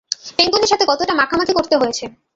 পেঙ্গুইনের সাথে কতোটা মাখামাখি করতে হয়েছে?